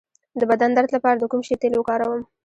د بدن درد لپاره د کوم شي تېل وکاروم؟